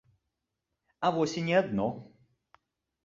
А вось і не адно.